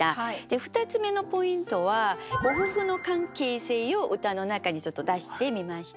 ２つ目のポイントはご夫婦の関係性を歌の中にちょっと出してみました。